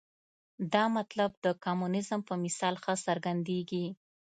دا مطلب د کمونیزم په مثال ښه څرګندېږي.